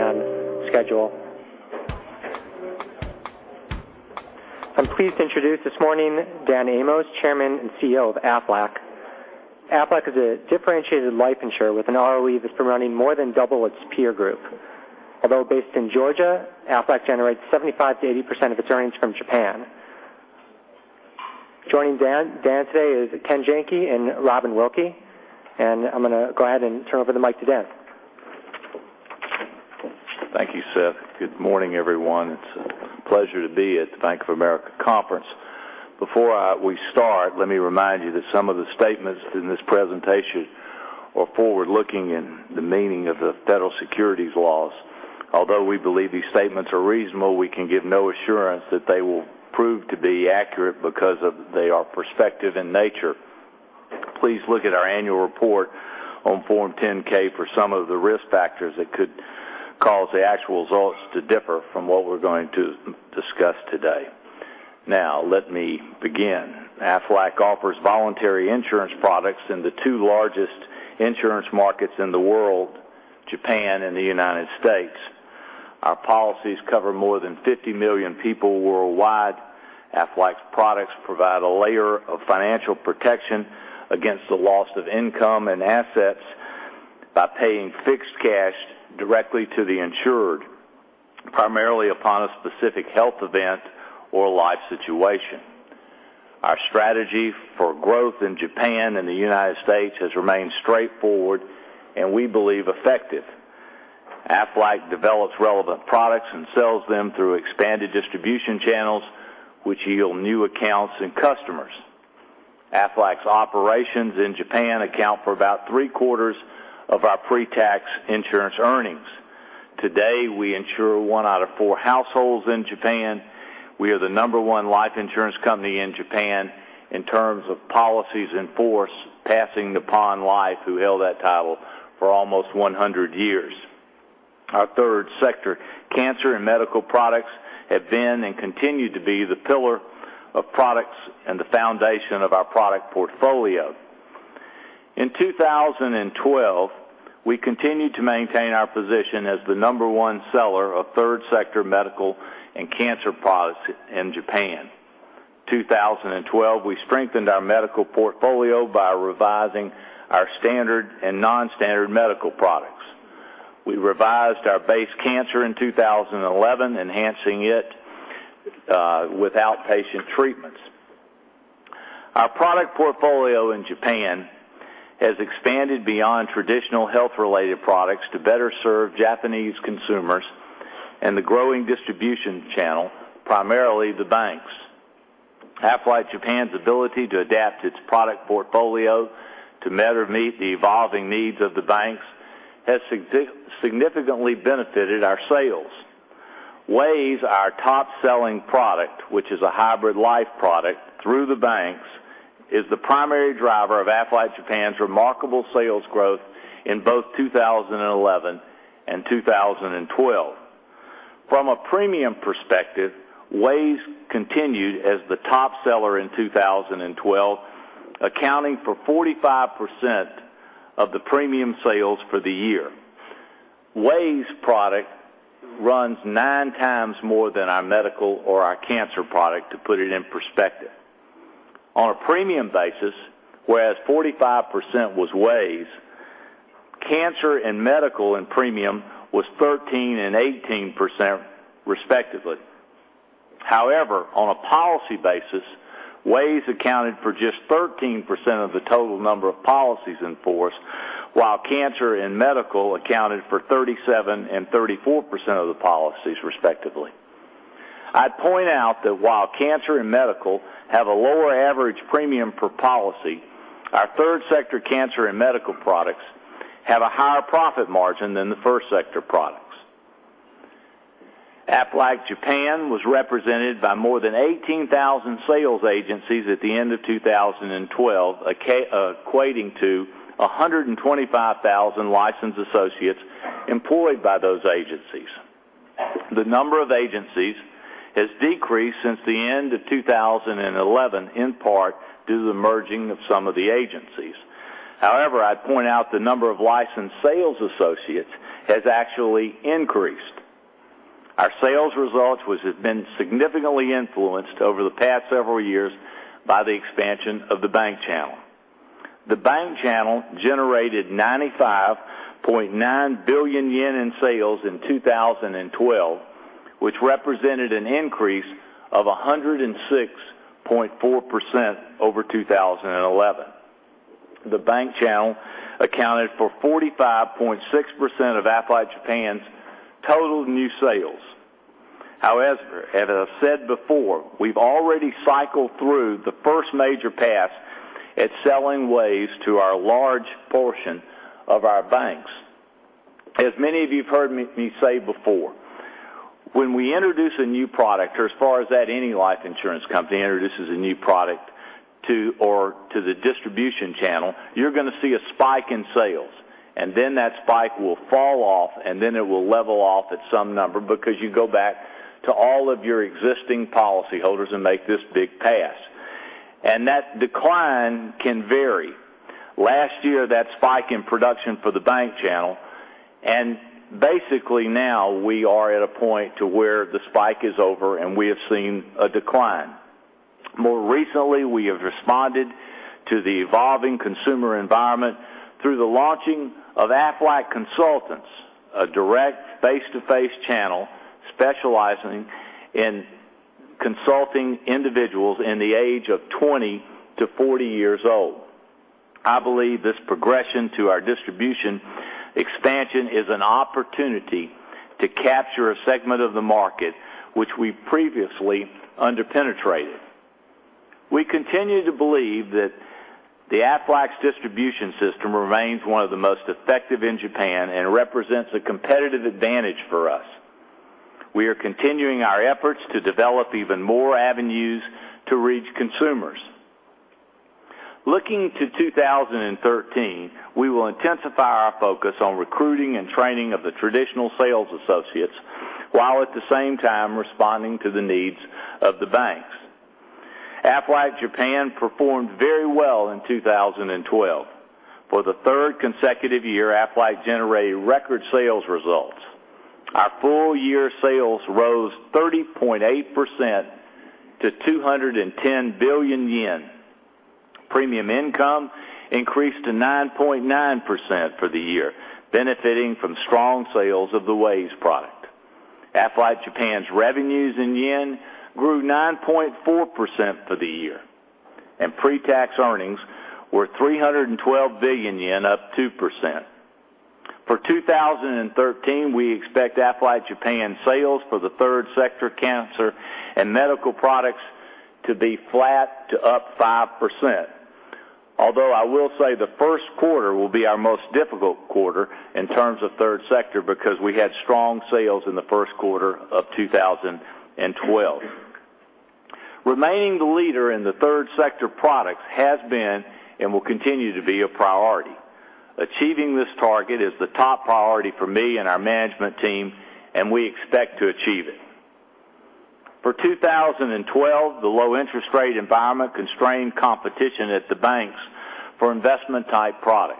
I'm pleased to introduce this morning Dan Amos, Chairman and Chief Executive Officer of Aflac. Aflac is a differentiated life insurer with an ROE that's been running more than double its peer group. Although based in Georgia, Aflac generates 75%-80% of its earnings from Japan. Joining Dan today is Kenneth Janke and Robin Wilkey. I'm going to go ahead and turn over the mic to Dan. Thank you, Seth. Good morning, everyone. It's a pleasure to be at the Bank of America conference. Before we start, let me remind you that some of the statements in this presentation are forward-looking in the meaning of the federal securities laws. Although we believe these statements are reasonable, we can give no assurance that they will prove to be accurate because they are prospective in nature. Please look at our annual report on Form 10-K for some of the risk factors that could cause the actual results to differ from what we're going to discuss today. Let me begin. Aflac offers voluntary insurance products in the two largest insurance markets in the world, Japan and the United States. Our policies cover more than 50 million people worldwide. Aflac's products provide a layer of financial protection against the loss of income and assets by paying fixed cash directly to the insured, primarily upon a specific health event or life situation. Our strategy for growth in Japan and the United States has remained straightforward, and we believe effective. Aflac develops relevant products and sells them through expanded distribution channels, which yield new accounts and customers. Aflac's operations in Japan account for about three-quarters of our pre-tax insurance earnings. Today, we insure one out of four households in Japan. We are the number one life insurance company in Japan in terms of policies in force, passing Nippon Life, who held that title for almost 100 years. Our third sector, cancer and medical products, have been and continue to be the pillar of products and the foundation of our product portfolio. In 2012, we continued to maintain our position as the number one seller of third sector medical and cancer products in Japan. In 2012, we strengthened our medical portfolio by revising our standard and non-standard medical products. We revised our base cancer in 2011, enhancing it with outpatient treatments. Our product portfolio in Japan has expanded beyond traditional health-related products to better serve Japanese consumers and the growing distribution channel, primarily the banks. Aflac Japan's ability to adapt its product portfolio to better meet the evolving needs of the banks has significantly benefited our sales. WAYS, our top-selling product, which is a hybrid life product through the banks, is the primary driver of Aflac Japan's remarkable sales growth in both 2011 and 2012. From a premium perspective, WAYS continued as the top seller in 2012, accounting for 45% of the premium sales for the year. WAYS product runs nine times more than our medical or our cancer product, to put it in perspective. On a premium basis, whereas 45% was WAYS, cancer and medical and premium was 13% and 18%, respectively. However, on a policy basis, WAYS accounted for just 13% of the total number of policies in force, while cancer and medical accounted for 37% and 34% of the policies, respectively. I'd point out that while cancer and medical have a lower average premium per policy, our Third Sector cancer and medical products have a higher profit margin than the First Sector products. Aflac Japan was represented by more than 18,000 sales agencies at the end of 2012, equating to 125,000 licensed associates employed by those agencies. The number of agencies has decreased since the end of 2011, in part due to the merging of some of the agencies. I'd point out the number of licensed sales associates has actually increased. Our sales results, which have been significantly influenced over the past several years by the expansion of the bank channel. The bank channel generated 95.9 billion yen in sales in 2012, which represented an increase of 106.4% over 2011. The bank channel accounted for 45.6% of Aflac Japan's total new sales. As I said before, we've already cycled through the first major pass at selling WAYS to a large portion of our banks. As many of you have heard me say before, when we introduce a new product, or as far as any life insurance company introduces a new product to the distribution channel, you're going to see a spike in sales, then that spike will fall off, then it will level off at some number because you go back to all of your existing policyholders and make this big pass. That decline can vary. Last year, that spike in production for the bank channel, basically now we are at a point to where the spike is over, we have seen a decline. More recently, we have responded to the evolving consumer environment through the launching of Aflac Consultants, a direct, face-to-face channel specializing in consulting individuals in the age of 20 to 40 years old. I believe this progression to our distribution expansion is an opportunity to capture a segment of the market which we previously under-penetrated. We continue to believe that Aflac's distribution system remains one of the most effective in Japan and represents a competitive advantage for us. We are continuing our efforts to develop even more avenues to reach consumers. Looking to 2013, we will intensify our focus on recruiting and training of the traditional sales associates, while at the same time responding to the needs of the banks. Aflac Japan performed very well in 2012. For the third consecutive year, Aflac generated record sales results. Our full year sales rose 30.8% to 210 billion yen. Premium income increased to 9.9% for the year, benefiting from strong sales of the WAYS product. Aflac Japan's revenues in JPY grew 9.4% for the year. Pre-tax earnings were 312 billion yen, up 2%. For 2013, we expect Aflac Japan sales for the third sector, cancer and medical products, to be flat to up 5%. I will say the first quarter will be our most difficult quarter in terms of third sector, because we had strong sales in the first quarter of 2012. Remaining the leader in the third sector products has been and will continue to be a priority. Achieving this target is the top priority for me and our management team, and we expect to achieve it. For 2012, the low interest rate environment constrained competition at the banks for investment type products.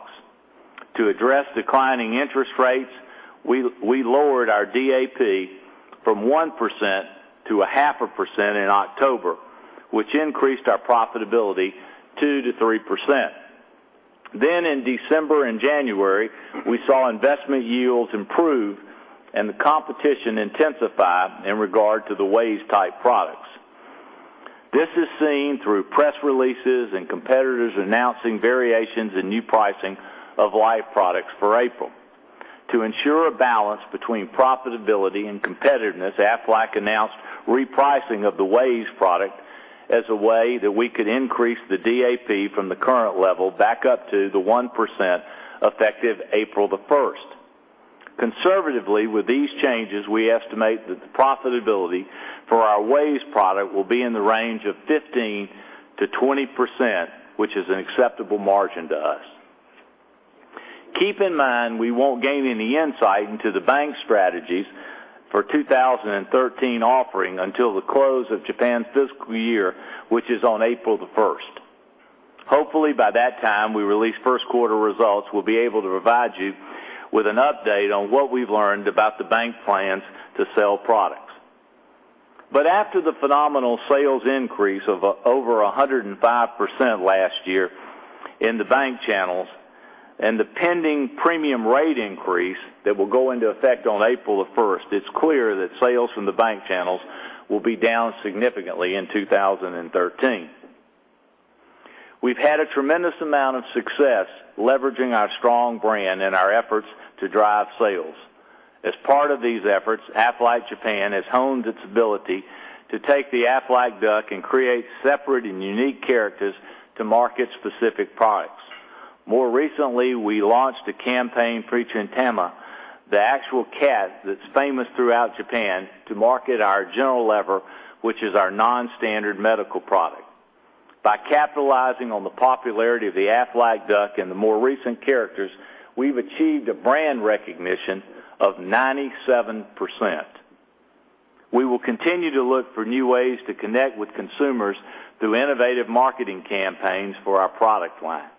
To address declining interest rates, we lowered our DAP from 1% to a half a percent in October, which increased our profitability 2%-3%. In December and January, we saw investment yields improve and the competition intensify in regard to the WAYS type products. This is seen through press releases and competitors announcing variations in new pricing of life products for April. To ensure a balance between profitability and competitiveness, Aflac announced repricing of the WAYS product as a way that we could increase the DAP from the current level back up to the 1%, effective April the 1st. Conservatively, with these changes, we estimate that the profitability for our WAYS product will be in the range of 15%-20%, which is an acceptable margin to us. Keep in mind, we won't gain any insight into the bank strategies for 2013 offering until the close of Japan's fiscal year, which is on April the 1st. Hopefully by that time we release first quarter results, we'll be able to provide you with an update on what we've learned about the bank plans to sell products. After the phenomenal sales increase of over 105% last year in the bank channels, and the pending premium rate increase that will go into effect on April the 1st, it's clear that sales from the bank channels will be down significantly in 2013. We've had a tremendous amount of success leveraging our strong brand and our efforts to drive sales. As part of these efforts, Aflac Japan has honed its ability to take the Aflac Duck and create separate and unique characters to market specific products. More recently, we launched a campaign featuring Tama, the actual cat that's famous throughout Japan, to market our general level, which is our non-standard medical product. By capitalizing on the popularity of the Aflac Duck and the more recent characters, we've achieved a brand recognition of 97%. We will continue to look for new ways to connect with consumers through innovative marketing campaigns for our product line.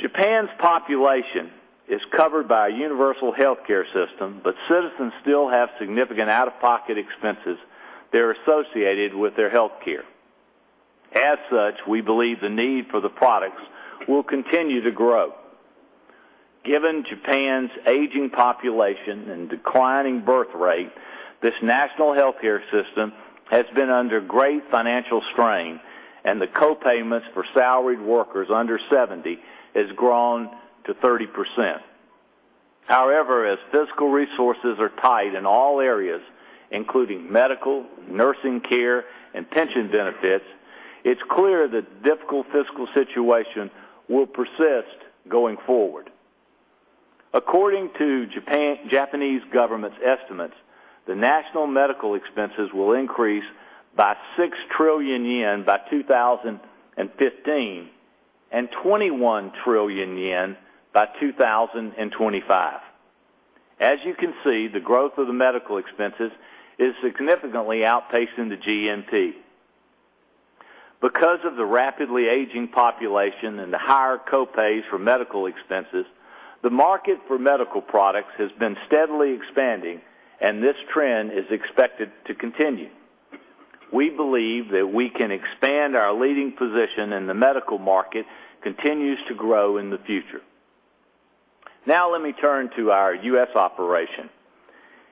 Japan's population is covered by a universal healthcare system, but citizens still have significant out-of-pocket expenses that are associated with their healthcare. As such, we believe the need for the products will continue to grow. Given Japan's aging population and declining birth rate, this national healthcare system has been under great financial strain, and the co-payments for salaried workers under 70 has grown to 30%. As fiscal resources are tight in all areas, including medical, nursing care, and pension benefits, it's clear that difficult fiscal situation will persist going forward. According to Japanese government's estimates, the national medical expenses will increase by 6 trillion yen by 2015 and 21 trillion yen by 2025. As you can see, the growth of the medical expenses is significantly outpacing the GNP. Because of the rapidly aging population and the higher co-pays for medical expenses, the market for medical products has been steadily expanding, and this trend is expected to continue. We believe that we can expand our leading position in the medical market continues to grow in the future. Now let me turn to our U.S. operation.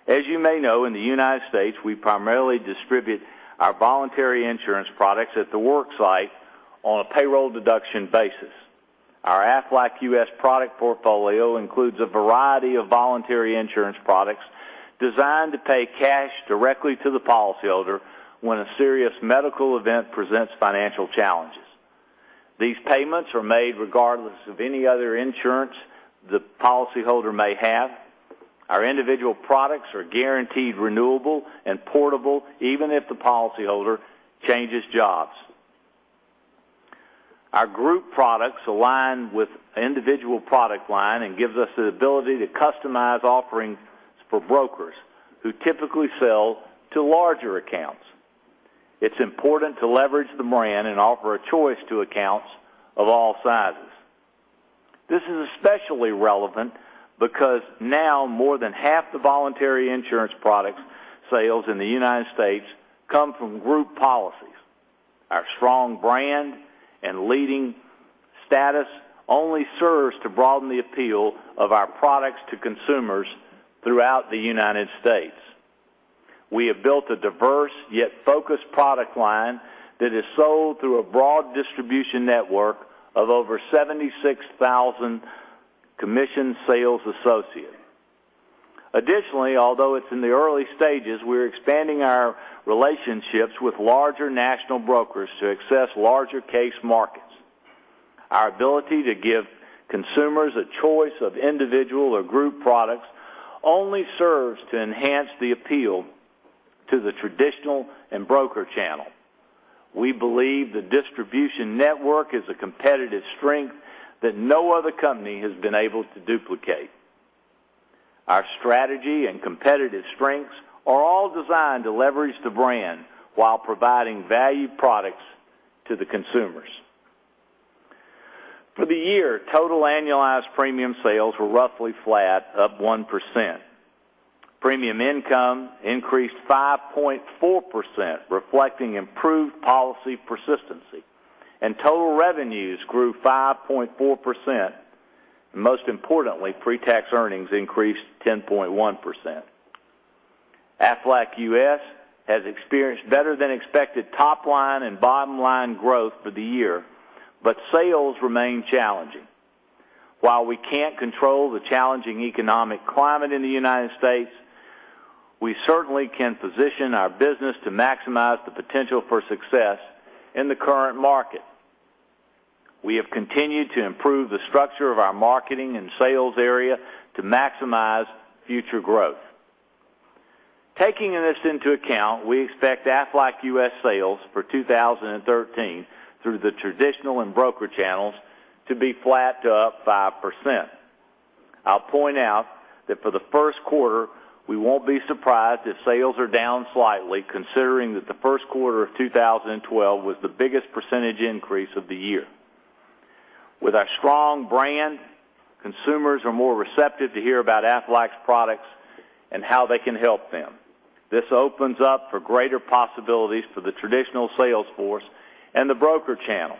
As you may know, in the United States, we primarily distribute our voluntary insurance products at the work site on a payroll deduction basis. Our Aflac U.S. product portfolio includes a variety of voluntary insurance products designed to pay cash directly to the policyholder when a serious medical event presents financial challenges. These payments are made regardless of any other insurance the policyholder may have. Our individual products are guaranteed renewable and portable even if the policyholder changes jobs. Our group products align with individual product line and gives us the ability to customize offerings for brokers who typically sell to larger accounts. It's important to leverage the brand and offer a choice to accounts of all sizes. This is especially relevant because now more than half the voluntary insurance products sales in the United States come from group policies. Our strong brand and leading status only serves to broaden the appeal of our products to consumers throughout the United States. We have built a diverse yet focused product line that is sold through a broad distribution network of over 76,000 commissioned sales associates. Additionally, although it's in the early stages, we're expanding our relationships with larger national brokers to access larger case markets. Our ability to give consumers a choice of individual or group products only serves to enhance the appeal to the traditional and broker channel. We believe the distribution network is a competitive strength that no other company has been able to duplicate. Our strategy and competitive strengths are all designed to leverage the brand while providing valued products to the consumers. For the year, total annualized premium sales were roughly flat, up 1%. Premium income increased 5.4%, reflecting improved policy persistency, and total revenues grew 5.4%, and most importantly, pre-tax earnings increased 10.1%. Aflac U.S. has experienced better than expected top line and bottom line growth for the year, but sales remain challenging. While we can't control the challenging economic climate in the United States, we certainly can position our business to maximize the potential for success in the current market. We have continued to improve the structure of our marketing and sales area to maximize future growth. Taking this into account, we expect Aflac U.S. sales for 2013 through the traditional and broker channels to be flat to up 5%. I'll point out that for the first quarter, we won't be surprised if sales are down slightly, considering that the first quarter of 2012 was the biggest percentage increase of the year. With our strong brand, consumers are more receptive to hear about Aflac's products and how they can help them. This opens up for greater possibilities for the traditional sales force and the broker channel.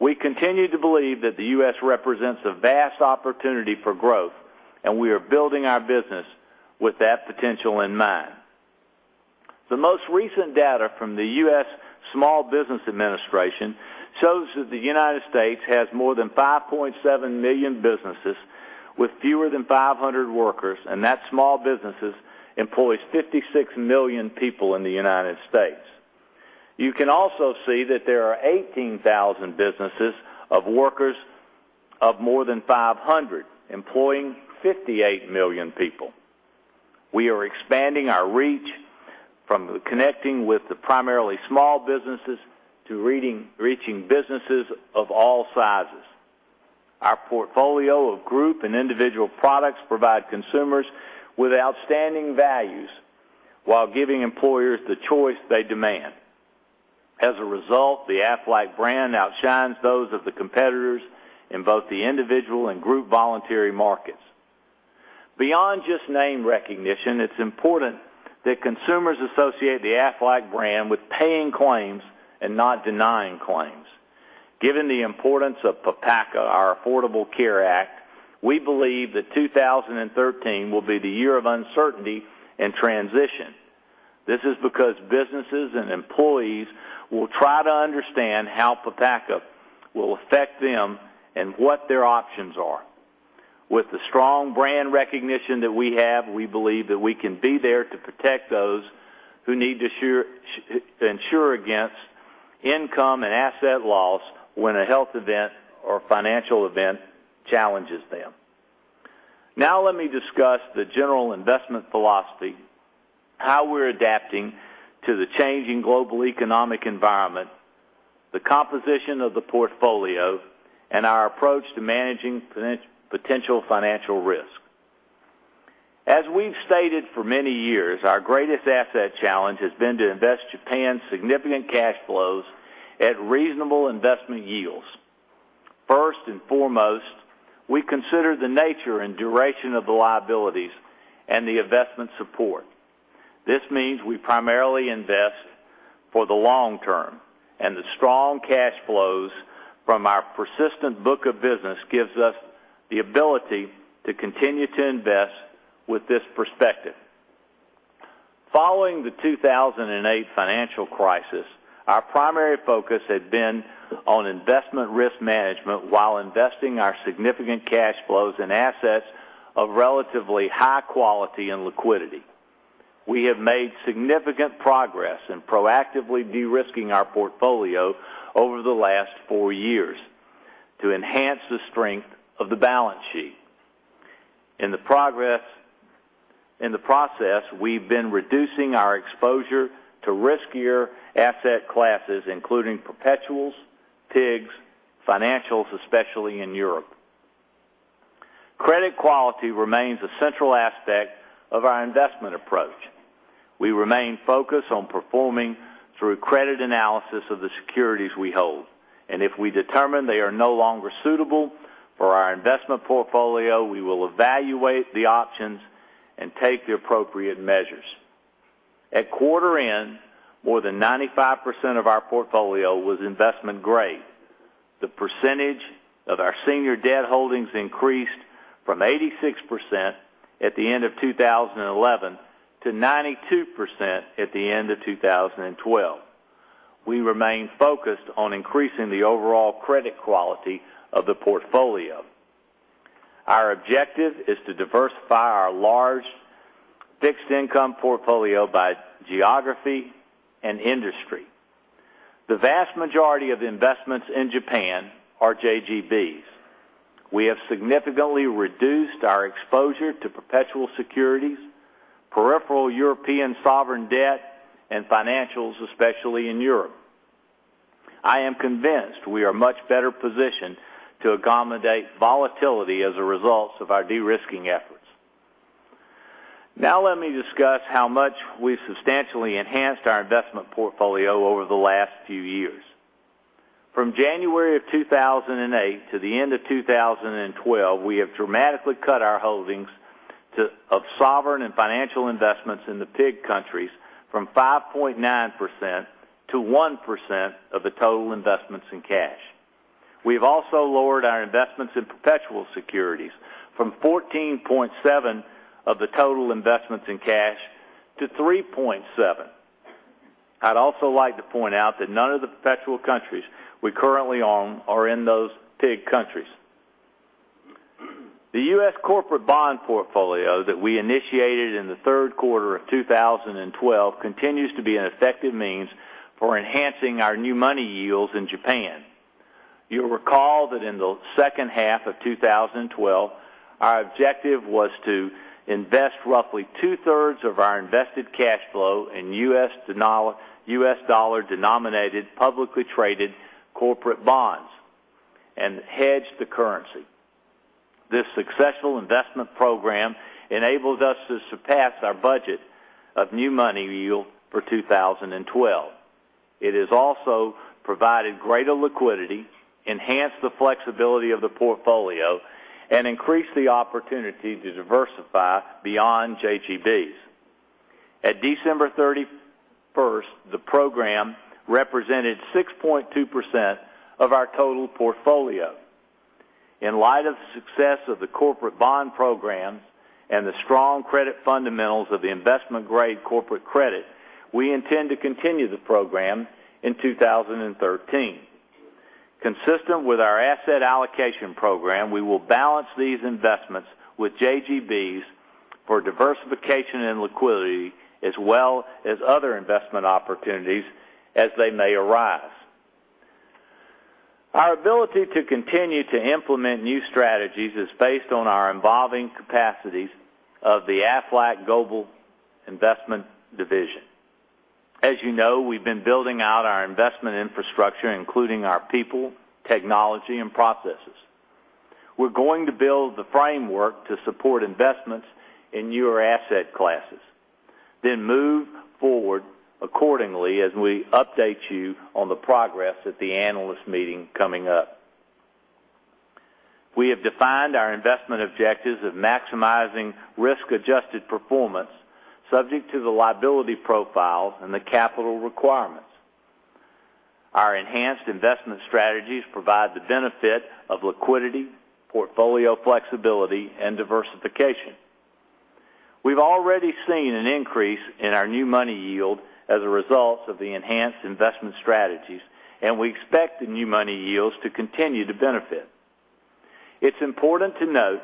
The most recent data from the U.S. Small Business Administration shows that the U.S. has more than 5.7 million businesses with fewer than 500 workers, and that small businesses employs 56 million people in the U.S. You can also see that there are 18,000 businesses of workers of more than 500 employing 58 million people. We are expanding our reach from connecting with the primarily small businesses to reaching businesses of all sizes. Our portfolio of group and individual products provide consumers with outstanding values while giving employers the choice they demand. As a result, the Aflac brand outshines those of the competitors in both the individual and group voluntary markets. Beyond just name recognition, it's important that consumers associate the Aflac brand with paying claims and not denying claims. Given the importance of PPACA, our Affordable Care Act, we believe that 2013 will be the year of uncertainty and transition. This is because businesses and employees will try to understand how PPACA will affect them and what their options are. With the strong brand recognition that we have, we believe that we can be there to protect those who need to ensure against income and asset loss when a health event or financial event challenges them. Now let me discuss the general investment philosophy. How we're adapting to the changing global economic environment, the composition of the portfolio, and our approach to managing potential financial risk. As we've stated for many years, our greatest asset challenge has been to invest Japan's significant cash flows at reasonable investment yields. First and foremost, we consider the nature and duration of the liabilities and the investment support. This means we primarily invest for the long term, and the strong cash flows from our persistent book of business gives us the ability to continue to invest with this perspective. Following the 2008 financial crisis, our primary focus had been on investment risk management while investing our significant cash flows and assets of relatively high quality and liquidity. We have made significant progress in proactively de-risking our portfolio over the last four years to enhance the strength of the balance sheet. In the process, we've been reducing our exposure to riskier asset classes, including perpetuals, PIIGS, financials, especially in Europe. Credit quality remains a central aspect of our investment approach. We remain focused on performing thorough credit analysis of the securities we hold, and if we determine they are no longer suitable for our investment portfolio, we will evaluate the options and take the appropriate measures. At quarter end, more than 95% of our portfolio was investment-grade. The percentage of our senior debt holdings increased from 86% at the end of 2011 to 92% at the end of 2012. We remain focused on increasing the overall credit quality of the portfolio. Our objective is to diversify our large fixed income portfolio by geography and industry. The vast majority of investments in Japan are JGBs. We have significantly reduced our exposure to perpetual securities, peripheral European sovereign debt, and financials, especially in Europe. I am convinced we are much better positioned to accommodate volatility as a result of our de-risking efforts. Now let me discuss how much we've substantially enhanced our investment portfolio over the last few years. From January of 2008 to the end of 2012, we have dramatically cut our holdings of sovereign and financial investments in the PIIGS countries from 5.9% to 1% of the total investments in cash. We've also lowered our investments in perpetual securities from 14.7% of the total investments in cash to 3.7%. I'd also like to point out that none of the perpetual securities we currently own are in those PIIGS countries. The U.S. corporate bond portfolio that we initiated in the third quarter of 2012 continues to be an effective means for enhancing our new money yields in Japan. You'll recall that in the second half of 2012, our objective was to invest roughly two-thirds of our invested cash flow in U.S. dollar denominated publicly traded corporate bonds and hedge the currency. This successful investment program enables us to surpass our budget of new money yield for 2012. It has also provided greater liquidity, enhanced the flexibility of the portfolio, and increased the opportunity to diversify beyond JGBs. At December 31st, the program represented 6.2% of our total portfolio. In light of the success of the corporate bond programs and the strong credit fundamentals of the investment-grade corporate credit, we intend to continue the program in 2013. Consistent with our asset allocation program, we will balance these investments with JGBs for diversification and liquidity as well as other investment opportunities as they may arise. Our ability to continue to implement new strategies is based on our evolving capacities of the Aflac Global Investments Division. As you know, we've been building out our investment infrastructure, including our people, technology, and processes. Then move forward accordingly as we update you on the progress at the analyst meeting coming up. We have defined our investment objectives of maximizing risk-adjusted performance subject to the liability profiles and the capital requirements. Our enhanced investment strategies provide the benefit of liquidity, portfolio flexibility, and diversification. We've already seen an increase in our new money yield as a result of the enhanced investment strategies, and we expect the new money yields to continue to benefit. It's important to note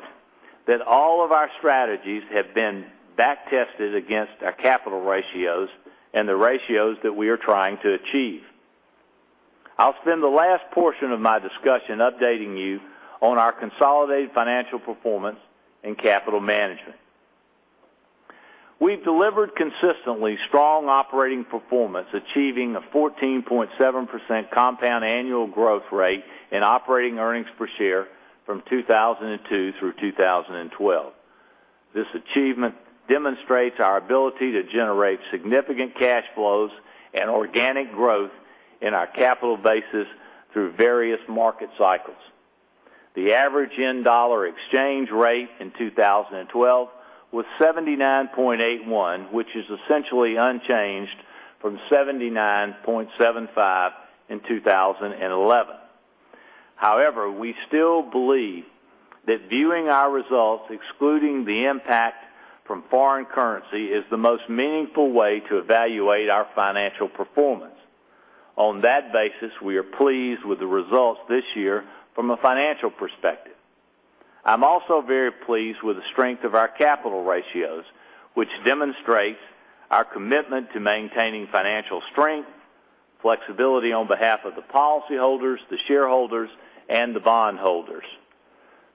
that all of our strategies have been back-tested against our capital ratios and the ratios that we are trying to achieve. I'll spend the last portion of my discussion updating you on our consolidated financial performance and capital management. We've delivered consistently strong operating performance, achieving a 14.7% compound annual growth rate in operating earnings per share from 2002 through 2012. This achievement demonstrates our ability to generate significant cash flows and organic growth in our capital basis through various market cycles. The average yen-dollar exchange rate in 2012 was 79.81, which is essentially unchanged from 79.75 in 2011. We still believe that viewing our results, excluding the impact from foreign currency, is the most meaningful way to evaluate our financial performance. On that basis, we are pleased with the results this year from a financial perspective. I'm also very pleased with the strength of our capital ratios, which demonstrates our commitment to maintaining financial strength, flexibility on behalf of the policyholders, the shareholders, and the bondholders.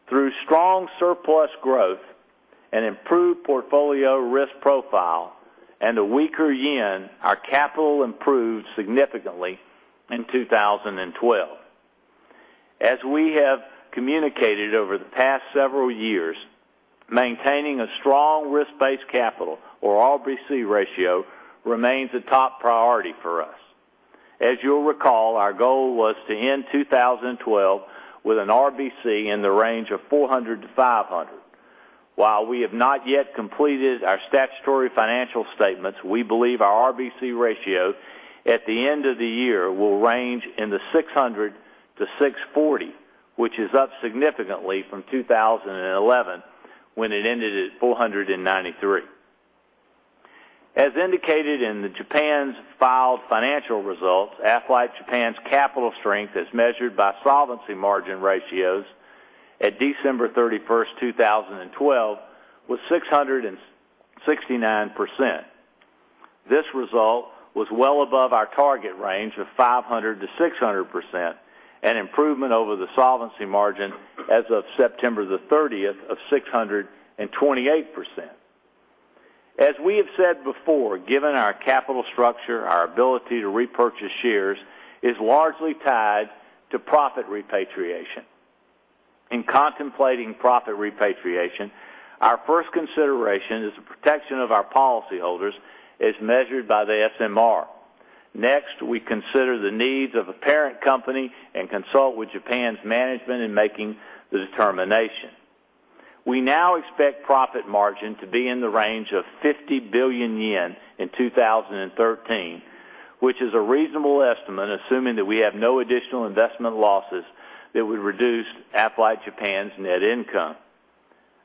Through strong surplus growth and improved portfolio risk profile and a weaker yen, our capital improved significantly in 2012. As we have communicated over the past several years, maintaining a strong risk-based capital, or RBC ratio, remains a top priority for us. As you will recall, our goal was to end 2012 with an RBC in the range of 400-500. While we have not yet completed our statutory financial statements, we believe our RBC ratio at the end of the year will range in the 600-640, which is up significantly from 2011, when it ended at 493. As indicated in the Japan's filed financial results, Aflac Japan's capital strength, as measured by solvency margin ratios at December 31, 2012, was 669%. This result was well above our target range of 500%-600%, an improvement over the solvency margin as of September 30 of 628%. As we have said before, given our capital structure, our ability to repurchase shares is largely tied to profit repatriation. In contemplating profit repatriation, our first consideration is the protection of our policyholders as measured by the SMR. Next, we consider the needs of a parent company and consult with Japan's management in making the determination. We now expect profit repatriation to be in the range of 50 billion yen in 2013, which is a reasonable estimate, assuming that we have no additional investment losses that would reduce Aflac Japan's net income.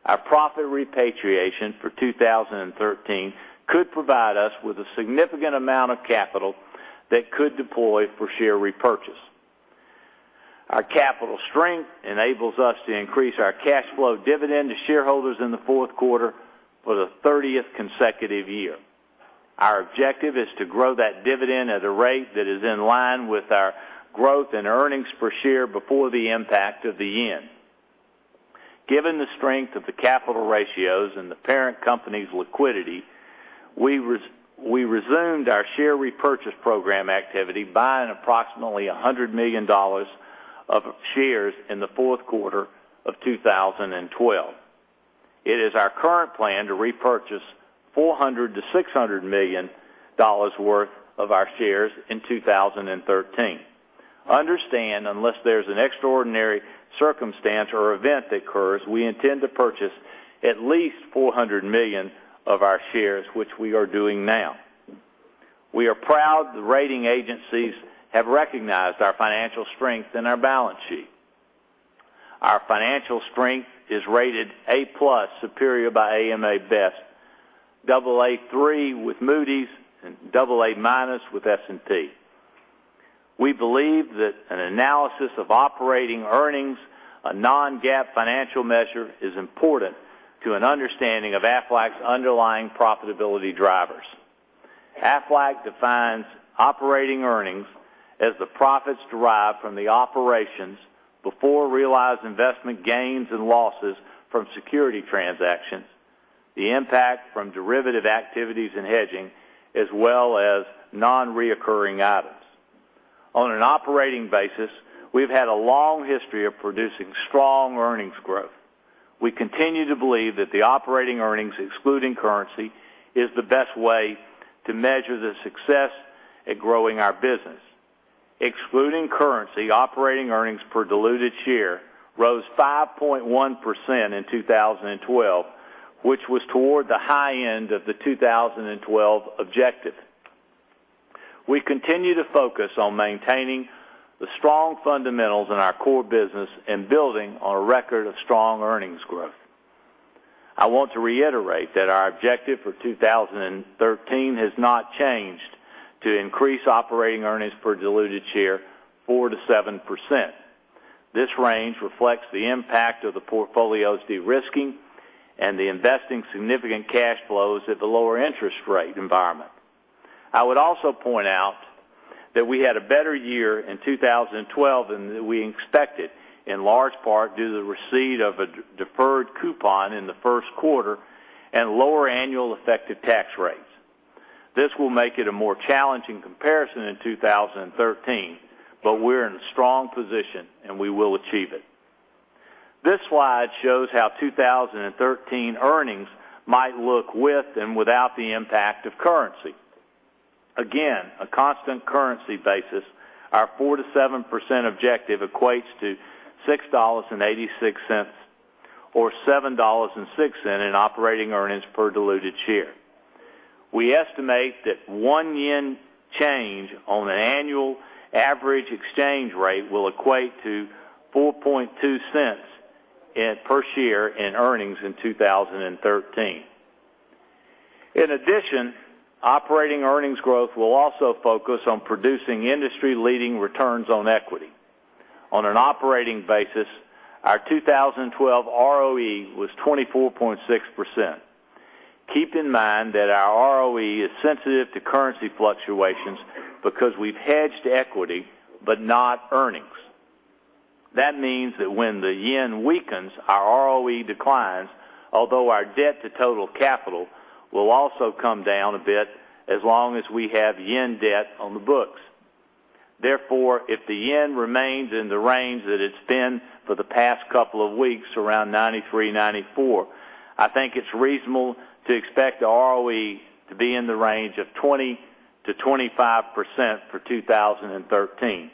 Our profit repatriation for 2013 could provide us with a significant amount of capital that could deploy for share repurchase. Our capital strength enables us to increase our cash flow dividend to shareholders in the fourth quarter for the 30th consecutive year. Our objective is to grow that dividend at a rate that is in line with our growth and earnings per share before the impact of the yen. Given the strength of the capital ratios and the parent company's liquidity, we resumed our share repurchase program activity, buying approximately $100 million of shares in the fourth quarter of 2012. It is our current plan to repurchase $400 million-$600 million worth of our shares in 2013. Understand, unless there is an extraordinary circumstance or event that occurs, we intend to purchase at least $400 million of our shares, which we are doing now. We are proud the rating agencies have recognized our financial strength in our balance sheet. Our financial strength is rated A+ Superior by AM Best, Aa3 with Moody's, and AA- with S&P. We believe that an analysis of operating earnings, a non-GAAP financial measure, is important to an understanding of Aflac's underlying profitability drivers. Aflac defines operating earnings as the profits derived from the operations before realized investment gains and losses from security transactions, the impact from derivative activities and hedging, as well as non-recurring items. On an operating basis, we have had a long history of producing strong earnings growth. We continue to believe that the operating earnings, excluding currency, is the best way to measure the success at growing our business. Excluding currency, operating earnings per diluted share rose 5.1% in 2012, which was toward the high end of the 2012 objective. We continue to focus on maintaining the strong fundamentals in our core business and building on a record of strong earnings growth. I want to reiterate that our objective for 2013 has not changed to increase operating earnings per diluted share 4%-7%. This range reflects the impact of the portfolio's de-risking and the investing significant cash flows at the lower interest rate environment. I would also point out that we had a better year in 2012 than we expected, in large part due to the receipt of a deferred coupon in the first quarter and lower annual effective tax rates. This will make it a more challenging comparison in 2013, but we're in a strong position, and we will achieve it. This slide shows how 2013 earnings might look with and without the impact of currency. Again, a constant currency basis, our 4%-7% objective equates to $6.86 or $7.06 in operating earnings per diluted share. We estimate that one JPY change on an annual average exchange rate will equate to $0.042 per share in earnings in 2013. Operating earnings growth will also focus on producing industry-leading returns on equity. On an operating basis, our 2012 ROE was 24.6%. Keep in mind that our ROE is sensitive to currency fluctuations because we've hedged equity but not earnings. That means that when the JPY weakens, our ROE declines, although our debt to total capital will also come down a bit as long as we have JPY debt on the books. Therefore, if the JPY remains in the range that it's been for the past couple of weeks, around 93, 94, I think it's reasonable to expect the ROE to be in the range of 20%-25% for 2013.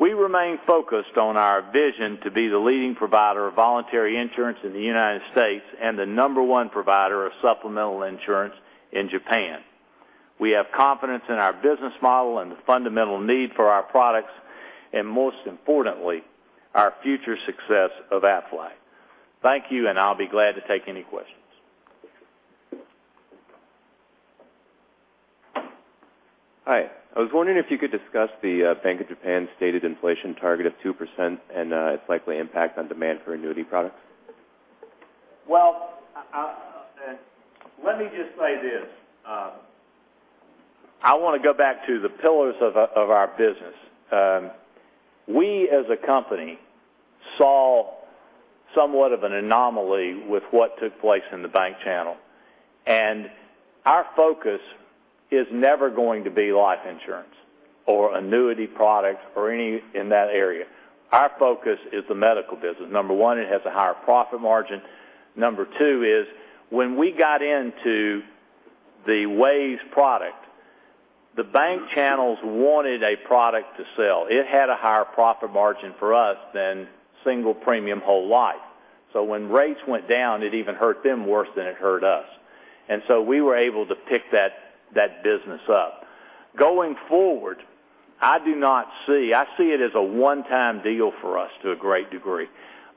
We remain focused on our vision to be the leading provider of voluntary insurance in the U.S. and the number one provider of supplemental insurance in Japan. We have confidence in our business model and the fundamental need for our products, and most importantly, our future success of Aflac. Thank you, and I'll be glad to take any questions. Hi, I was wondering if you could discuss the Bank of Japan's stated inflation target of 2% and its likely impact on demand for annuity products. Well, let me just say this. I want to go back to the pillars of our business. We, as a company, saw somewhat of an anomaly with what took place in the bank channel, and our focus is never going to be life insurance or annuity products or any in that area. Our focus is the medical business. Number one, it has a higher profit margin. Number two is when we got into the WAYS product, the bank channels wanted a product to sell. It had a higher profit margin for us than single premium whole life. When rates went down, it even hurt them worse than it hurt us. We were able to pick that business up. Going forward, I see it as a one-time deal for us to a great degree.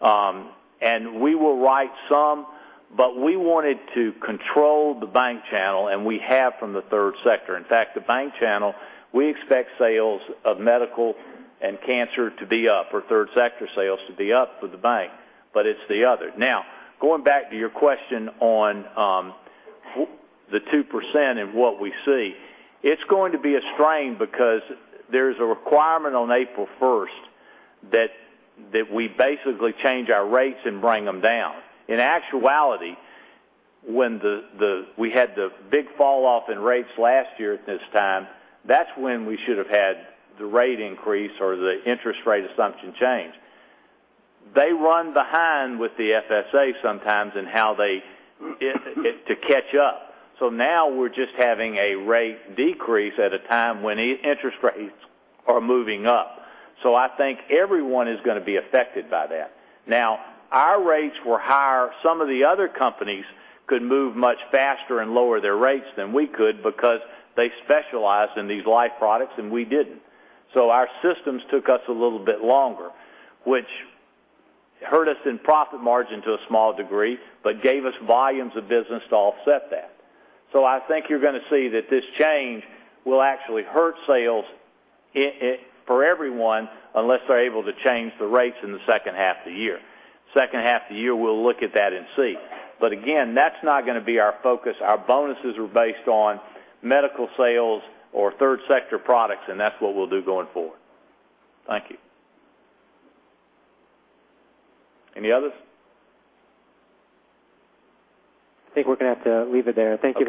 We will write some, but we wanted to control the bank channel, and we have from the third sector. In fact, the bank channel, we expect sales of medical and cancer to be up or third sector sales to be up for the bank, but it's the other. Now, going back to your question on the 2% and what we see, it's going to be a strain because there is a requirement on April 1st that we basically change our rates and bring them down. In actuality, when we had the big fall off in rates last year at this time, that's when we should have had the rate increase or the interest rate assumption change. They run behind with the FSA sometimes to catch up. We're just having a rate decrease at a time when interest rates are moving up. I think everyone is going to be affected by that. Now, our rates were higher. Some of the other companies could move much faster and lower their rates than we could because they specialized in these life products, and we didn't. Our systems took us a little bit longer, which hurt us in profit margin to a small degree, but gave us volumes of business to offset that. I think you're going to see that this change will actually hurt sales for everyone unless they're able to change the rates in the second half of the year. Second half of the year, we'll look at that and see. Again, that's not going to be our focus. Our bonuses are based on medical sales or third sector products, and that's what we'll do going forward. Thank you. Any others? I think we're going to have to leave it there. Thank you very much